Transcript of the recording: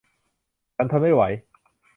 ฉันทนไม่ไหว